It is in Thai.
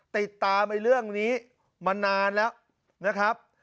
ติดตามเรื่องนี้มานานแล้วนะครับ